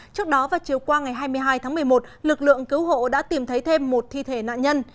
trước đó vào chiều qua ngày hai mươi hai tháng một mươi một lực lượng cứu hộ đã tìm thấy thêm một thi thể nạn nhân